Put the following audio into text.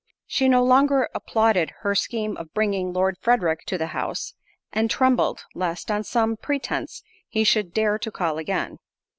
She no longer applauded her scheme of bringing Lord Frederick to the house, and trembled, lest, on some pretence, he should dare to call again.